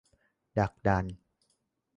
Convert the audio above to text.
ดักดาน